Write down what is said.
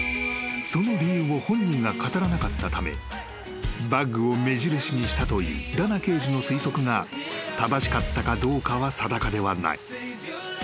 ［その理由を本人が語らなかったためバッグを目印にしたというダナ刑事の推測が正しかったかどうかは定かではない］